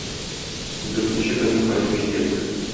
Дүртенче көнне кайтып җитәләр.